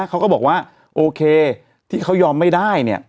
เขาก็บอกว่าโอเคที่เขายอมไม่ได้